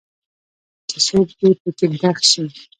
چې څوک دي پکې دغ شي.